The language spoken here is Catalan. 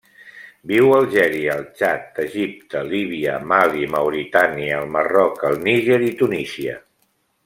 Viu a Algèria, el Txad, Egipte, Líbia, Mali, Mauritània, el Marroc, el Níger i Tunísia.